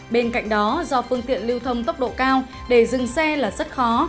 bên cạnh đó do phương tiện lưu thông tốc độ cao để dừng xe là rất khó